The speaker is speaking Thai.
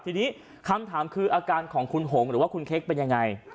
ทีนี้คำถามคืออาการของคุณหงหรือว่าคุณเค้กเป็นยังไง